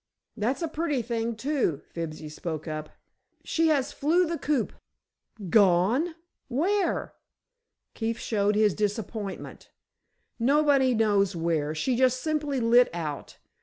"That's a pretty thing, too!" Fibsy spoke up. "She has flew the coop." "Gone! Where?" Keefe showed his disappointment. "Nobody knows where. She just simply lit out.